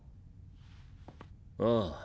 ああ。